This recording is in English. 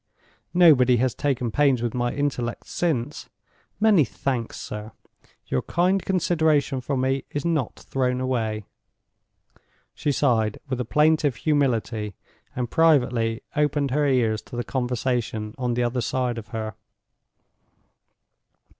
Nobody has taken pains with my intellect since. Many thanks, sir. Your kind consideration for me is not thrown away." She sighed with a plaintive humility, and privately opened her ears to the conversation on the other side of her.